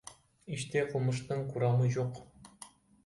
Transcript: Иште кылмыштын курамы жок.